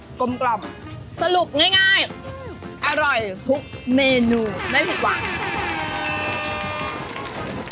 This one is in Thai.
อร่อยทุกเมนูไม่ผิดหวัง